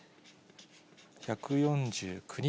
１４９人。